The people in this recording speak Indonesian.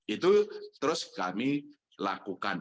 itu terus kami lakukan